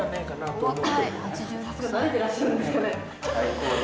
さすが慣れてらっしゃるんですかね。